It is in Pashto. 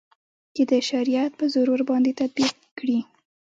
د ده شریعت په زور ورباندې تطبیق کړي.